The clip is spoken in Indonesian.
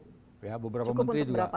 cukup untuk berapa lama